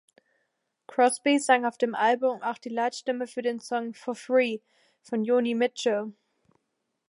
Crosby sang auf dem Album auch die Leitstimme für den Song "For Free" von Joni Mitchell.